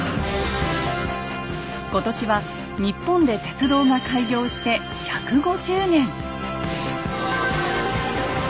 今年は日本で鉄道が開業して１５０年。